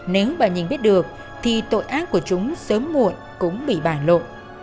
nếu bà nhìn biết được thì tội ác của chúng sớm muộn cũng bị bản lộ